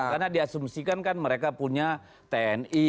karena diasumsikan kan mereka punya tni